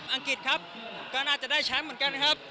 องกฤษครับก็น่าจะได้แชมป์เหมือนกันนะครับ